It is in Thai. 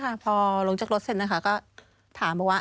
ก็ไม่ค่ะพอลงจากรถเสร็จนะคะก็ถามว่า